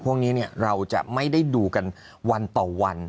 พวกนี้เราจะไม่ได้ดูกันวันต่อวัน